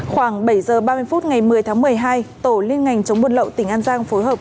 khoảng bảy h ba mươi phút ngày một mươi tháng một mươi hai tổ liên ngành chống buôn lậu tỉnh an giang phối hợp